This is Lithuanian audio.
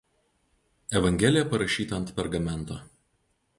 Evangelija parašyta ant pergamento.